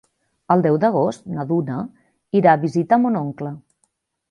El deu d'agost na Duna irà a visitar mon oncle.